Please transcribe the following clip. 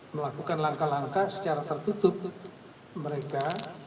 melakukan langkah langkah secara tertutup mereka